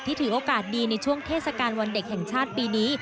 ถือโอกาสดีในช่วงเทศกาลวันเด็กแห่งชาติปีนี้